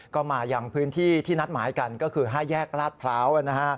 ก็มายังพื้นที่ที่นัดหมายกันก็คือ๕แยกลาดพร้าวนะฮะ